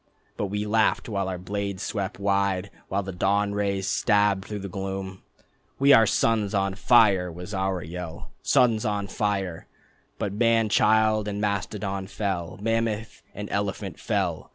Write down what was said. But we laughed while our blades swept wide, While the dawn rays stabbed through the gloom. "We are suns on fire" was our yell "Suns on fire." ... But man child and mastodon fell, Mammoth and elephant fell.